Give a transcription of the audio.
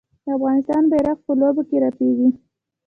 د افغانستان بیرغ په لوبو کې رپیږي.